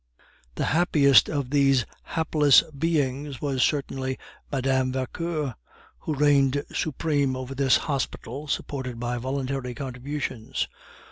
The happiest of these hapless beings was certainly Mme. Vauquer, who reigned supreme over this hospital supported by voluntary contributions.